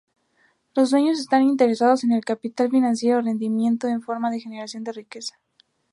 Los dueños están interesados en el capital financiero—rendimiento en forma de generación de riqueza.